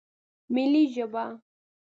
ملي ژبه